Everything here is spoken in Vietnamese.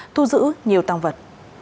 thu giữ nhiều tăng vật